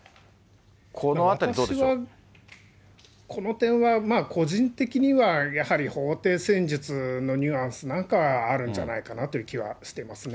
私は、この点は、まあ個人的には、やはり法廷戦術のニュアンスなんかあるんじゃないかなという気はしていますね。